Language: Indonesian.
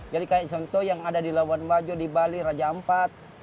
jadi kayak contoh yang ada di lawan majo di bali raja ampat